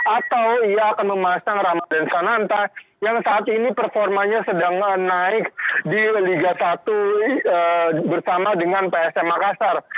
atau ia akan memasang ramadhan sananta yang saat ini performanya sedang naik di liga satu bersama dengan psm makassar